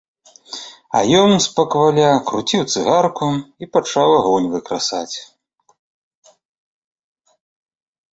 А ён спакваля круціў цыгарку і пачаў агонь выкрасаць.